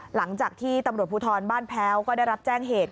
หลังจากที่ตำรวจภูทรบ้านแพ้วก็ได้รับแจ้งเหตุ